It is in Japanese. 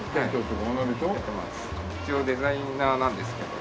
一応デザイナーなんですけど。